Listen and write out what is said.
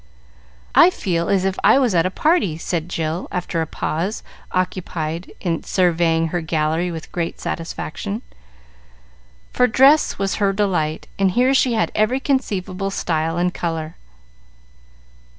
"I feel as if I was at a party," said Jill, after a pause occupied in surveying her gallery with great satisfaction, for dress was her delight, and here she had every conceivable style and color.